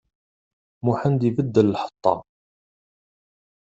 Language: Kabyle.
Muḥend ibeddel lḥeṭṭa.